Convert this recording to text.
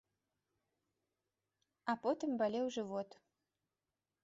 А потым балеў жывот.